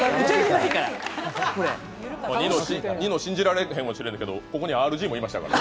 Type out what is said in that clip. ニノ、信じられへんかもしれんけどここにＲＧもいましたから。